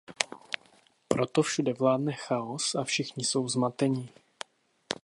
Proto všude vládne chaos a všichni jsou zmateni.